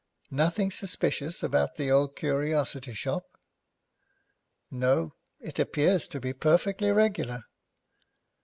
'Nothing suspicious about the old curiosity shop?' 'No. It appears to be perfectly regular.'